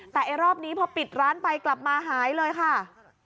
แต่รอบนี้พอปิดร้านไปกลับมาหายเลยค่ะ